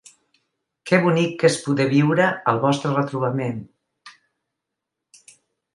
Què bonic que és poder viure el vostre retrobament!